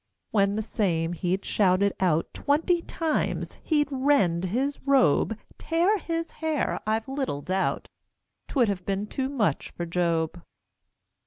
When the same he'd shouted out Twenty times he'd rend his robe, Tear his hair, I've little doubt; 'Twould have been too much for Job.